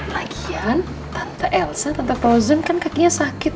lagian tante elsa tanpa frozen kan kakinya sakit